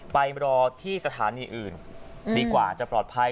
ไปรอที่สถานีอื่นดีกว่าจะปลอดภัย